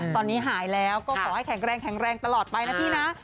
ตอนนี้หายแล้วก็ขอให้แข็งแรงแข็งแรงตลอดไปนะพี่นะ